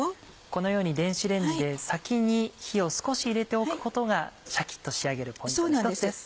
このように電子レンジで先に火を少し入れておくことがシャキっと仕上げるポイントの一つです。